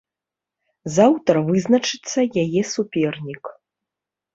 Заўтра вызначыцца яе супернік.